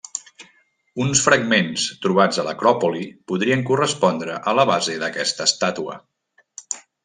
Uns fragments trobats a l'acròpoli podrien correspondre a la base d'aquesta estàtua.